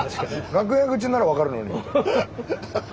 楽屋口ならわかるけど。